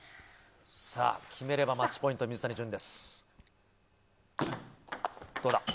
決めればマッチポイント水谷隼です。